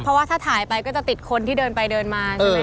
เพราะว่าถ้าถ่ายไปก็จะติดคนที่เดินไปเดินมาใช่ไหม